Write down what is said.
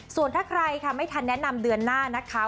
ส่วนถ้าใครค่ะไม่ทันแนะนำเดือนหน้านะคะ